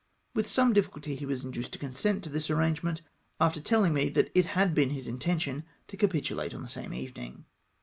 With some diffi culty he was induced to consent to tliis arrangement, after telUn^' me that it had been his intention to capi O J tulate on the same evening.